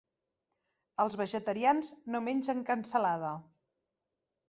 Els vegetarians no mengen cansalada.